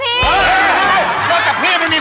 เดี๋ยวดูนิดนึง